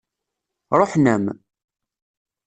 Ṛuḥen-am.